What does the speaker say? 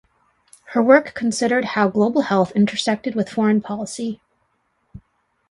Her work considered how global health intersected with foreign policy.